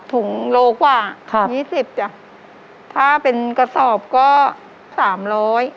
ถุงโลกว่า๒๐จ้ะถ้าเป็นกระสอบก็๓๐๐บาท